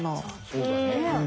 そうだね。